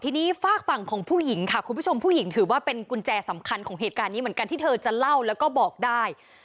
ทีนี้ฝากฝั่งของผู้หญิงค่ะคุณผู้ชมผู้หญิงถือว่าเป็นกุญแจสำคัญของเหตุการณ์นี้เหมือนกันที่เธอจะเล่าแล้วก็บอกได้